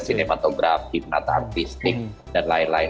cinematografi penata artistik dan lain lain